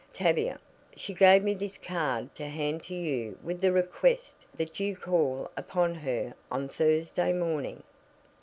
"Tavia, she gave me this card to hand you with the request that you call upon her on Thursday morning."